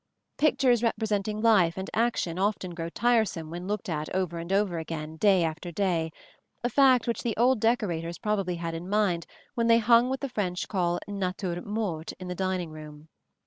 Pictures representing life and action often grow tiresome when looked at over and over again, day after day: a fact which the old decorators probably had in mind when they hung what the French call natures mortes in the dining room.